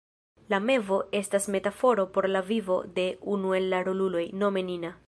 La mevo estas metaforo por la vivo de unu el la roluloj, nome Nina.